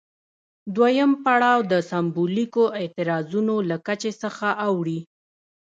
دویم پړاو د سمبولیکو اعتراضونو له کچې څخه اوړي.